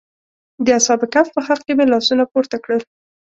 د اصحاب کهف په حق کې مې لاسونه پورته کړل.